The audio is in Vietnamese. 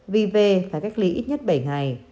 vì về phải cách ly ít nhất bảy ngày